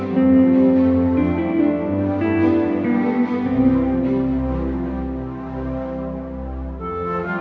pasti saya sampaikan ke kak nora